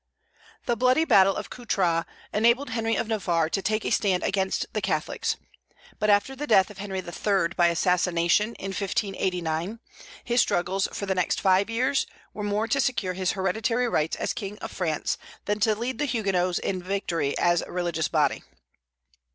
The bloody battle of Coutras enabled Henry of Navarre to take a stand against the Catholics; but after the death of Henry III. by assassination, in 1589, his struggles for the next five years were more to secure his hereditary rights as King of France than to lead the Huguenots to victory as a religious body.